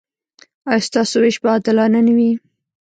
ایا ستاسو ویش به عادلانه نه وي؟